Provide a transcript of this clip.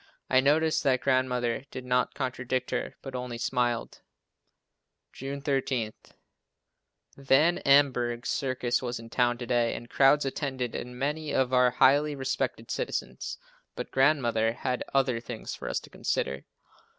I noticed that Grandmother did not contradict her, but only smiled. June 13. Van Amburgh's circus was in town to day and crowds attended and many of our most highly respected citizens, but Grandmother had other things for us to consider.